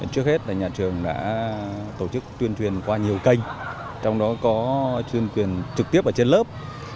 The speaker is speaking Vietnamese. trước hết nhà trường đã tổ chức truyền truyền qua nhiều kênh trong đó có truyền truyền trực tiếp ở trên lớp